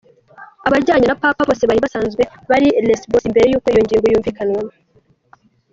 Abajanye na Papa bose bari basanzwe bari Lesbos imbere y'uko iyo ngingo yumvikanwako.